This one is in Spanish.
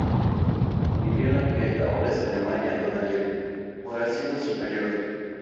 Vivió en lo que ahora es Alemania, durante el Jurásico Superior.